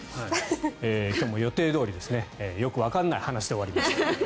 今日も予定どおりよくわからない話で終わりました